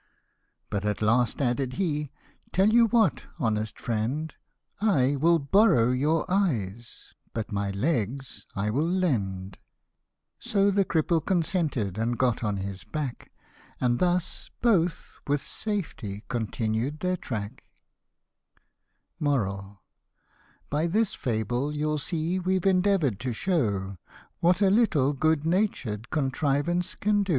But at last added ne "'Tell you what, honest friend; I will borrow your eyes, but my legs I will lend ;" 66 So the cripple consented, and got on his back, And thus both with safety continued their track. By this fable you see we've endeavour'd to show, What a little good natured contrivance can do.